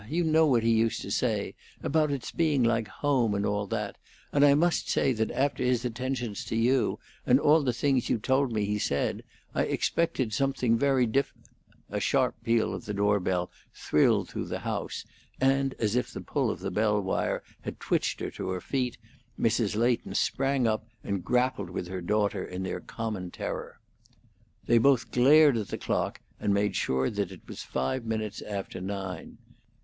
You know what he used to say about its being like home, and all that; and I must say that after his attentions to you, and all the things you told me he said, I expected something very dif " A sharp peal of the door bell thrilled through the house, and as if the pull of the bell wire had twitched her to her feet, Mrs. Leighton sprang up and grappled with her daughter in their common terror. They both glared at the clock and made sure that it was five minutes after nine.